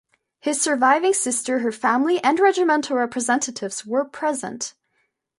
His surviving sister, her family and Regimental representatives were present.